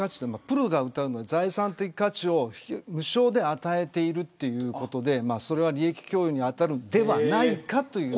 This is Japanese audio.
プロが歌うので財産的価値を無償で与えているということで、利益供与に当たるのではないかという。